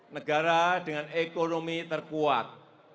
dua puluh negara dengan ekonomi terkuat